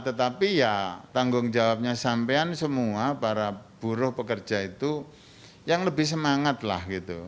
tetapi ya tanggung jawabnya sampean semua para buruh pekerja itu yang lebih semangat lah gitu